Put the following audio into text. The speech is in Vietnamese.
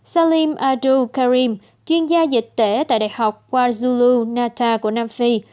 salim abdul karim chuyên gia dịch tễ tại đại học kwazulu nata của nam phi